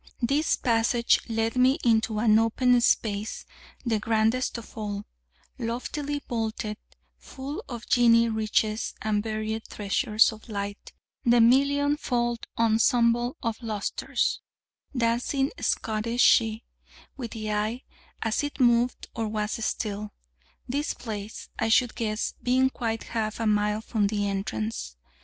This passage led me into an open space, the grandest of all, loftily vaulted, full of genie riches and buried treasures of light, the million fold ensemble of lustres dancing schottishe with the eye, as it moved or was still: this place, I should guess, being quite half a mile from the entrance.